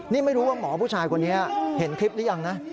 นี่ไม่รู้ว่าหมอผู้ชายคนนี้เห็นคลิปหรือยังนะ